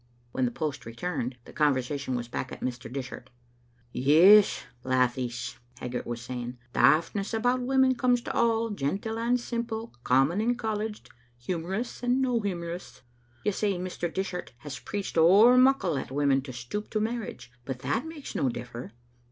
When the post returned, the conversation was back at Mr. Dishart. "Yes, lathies," Haggart was saying, "daftness about women comes to all, gentle and simple, common and colleged, humourists and no humourists. You say Mr. Dishart has preached ower muckle at women to stoop to marriage, but that makes no differ.